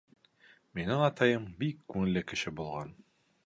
— Минең атайым бик күңелле кеше булған.